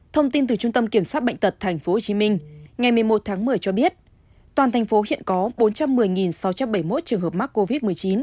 thông tin từ trung tâm kiểm soát bệnh tật tp hcm ngày một mươi một tháng một mươi cho biết toàn thành phố hiện có bốn trăm một mươi sáu trăm bảy mươi một trường hợp mắc covid một mươi chín